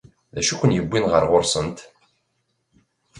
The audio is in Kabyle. D acu i ken-yewwin ɣer ɣur-sent?